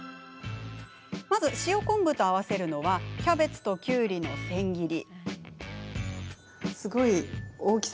まず塩昆布と合わせるのはキャベツときゅうりの千切り。